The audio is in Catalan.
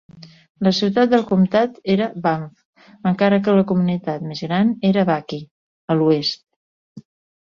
La ciutat del comtat era Banff encara que la comunitat més gran era Buckie, a l'oest.